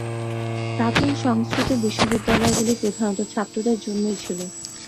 প্রাচীন সংস্কৃত বিশ্ববিদ্যালয়গুলি প্রধানত ছাত্রদের জন্যই ছিল।